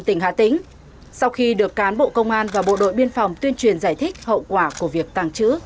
tỉnh hà tĩnh sau khi được cán bộ công an và bộ đội biên phòng tuyên truyền giải thích hậu quả của việc tàng trữ